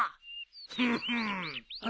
フフン。